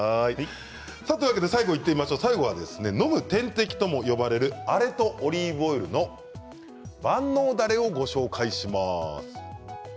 最後飲む点滴と呼ばれるあれとオリーブオイルの万能だれをご紹介します。